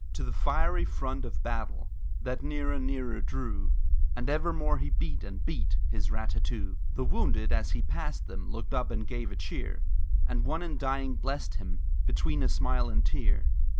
To the fiery front of battle, That nearer, nearer drew, And evermore he beat, and beat His rat tat too! The wounded as he passed them Looked up and gave a cheer; And one in dying blessed him, Between a smile and tear.